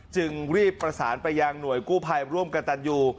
จึงรีบประสานไปยังหน่วยกู้ภัยร่วมกับตันยู